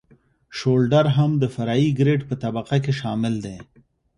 شولډر هم د فرعي ګریډ په طبقه کې شامل دی